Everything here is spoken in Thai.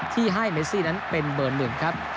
ที่ให้เมซี่นั้นเป็นเบอร์หนึ่งครับ